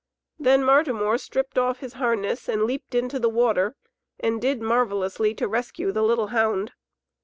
Then Martimor stripped off his harness and leaped into the water and did marvellously to rescue the little hound.